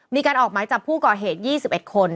มีการออกหมายจับผู้ก่อเหตุ๒๑คน